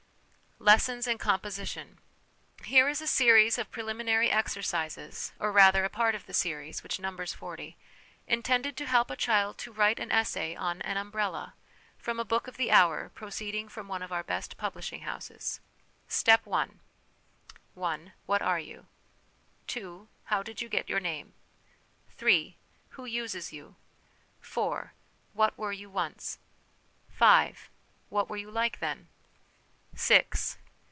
Lessons in Composition. Here is a series of preliminary exercises (or rather a part of the series, which numbers 40) intended to help a child to write an essay on ' An Umbrella,' from a book of the hour proceeding from one of our best publishing houses :" Step I. "i. What are you? " 2. How did you get your name ?" 3. Who uses you ?" 4. What were you once ?" 5. What were you like then ?" 6.